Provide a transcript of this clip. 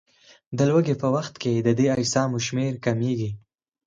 د لوږې په وخت کې د دې اجسامو شمېر کمیږي.